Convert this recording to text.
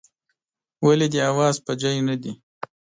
ولي دي حواس پر ځای نه دي ؟